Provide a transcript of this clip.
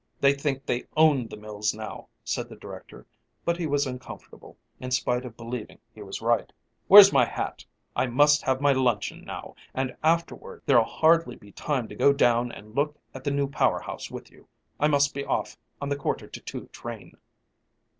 They think they own the mills now," said the director, but he was uncomfortable, in spite of believing he was right. "Where's my hat? I must have my luncheon now, and afterward there'll hardly be time to go down and look at the new power house with you I must be off on the quarter to two train."